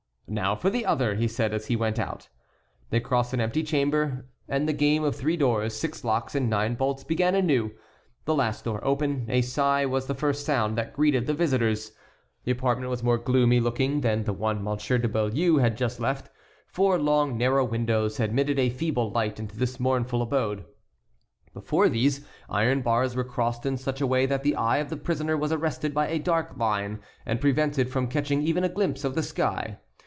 "Now for the other," he said as he went out. They crossed an empty chamber, and the game of three doors, six locks, and nine bolts began anew. The last door open, a sigh was the first sound that greeted the visitors. The apartment was more gloomy looking than the one Monsieur de Beaulieu had just left. Four long narrow windows admitted a feeble light into this mournful abode. Before these, iron bars were crossed in such a way that the eye of the prisoner was arrested by a dark line and prevented from catching even a glimpse of the sky.